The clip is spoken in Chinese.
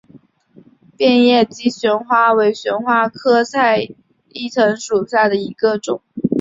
变叶姬旋花为旋花科菜栾藤属下的一个种。